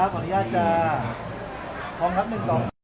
โปรดติดตามตอนต่อไป